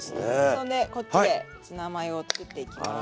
そんでこっちでツナマヨを作っていきます。